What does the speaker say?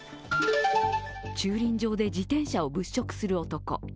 駐輪場で自転車を物色する男。